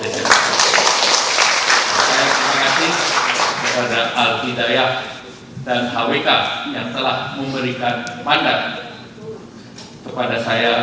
terima kasih kepada al hidayat dan hwk yang telah memberikan mandat kepada saya